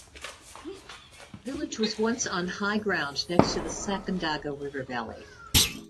The village was once on high ground next to the Sacandaga River valley.